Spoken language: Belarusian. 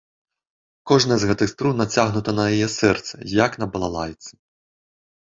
Кожная з гэтых струн нацягнута на яе сэрцы, як на балалайцы.